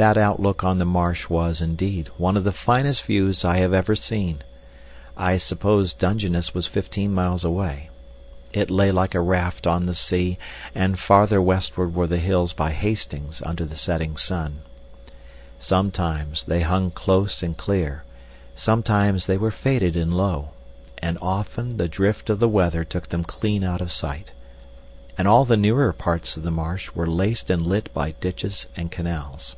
That outlook on the marsh was, indeed, one of the finest views I have ever seen. I suppose Dungeness was fifteen miles away; it lay like a raft on the sea, and farther westward were the hills by Hastings under the setting sun. Sometimes they hung close and clear, sometimes they were faded and low, and often the drift of the weather took them clean out of sight. And all the nearer parts of the marsh were laced and lit by ditches and canals.